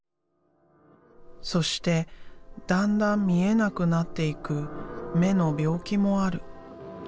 そしてだんだん見えなくなっていく目の病気もある」。